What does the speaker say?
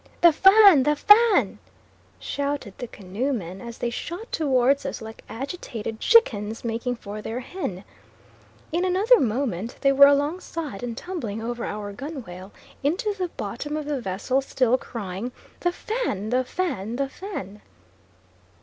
"The Fan! the Fan!" shouted the canoe men as they shot towards us like agitated chickens making for their hen. In another moment they were alongside and tumbling over our gunwale into the bottom of the vessel still crying "The Fan! The Fan! The Fan!"